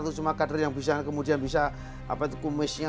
itu cuma kader yang bisa kumisnya